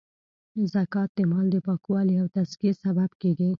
زکات د مال د پاکوالې او تذکیې سبب کیږی.